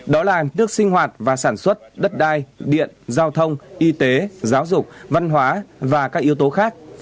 đó là nước sinh hoạt và sản xuất đất đai điện giao thông y tế giáo dục văn hóa và các yếu tố khác